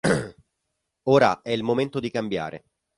Ora è il momento di cambiare.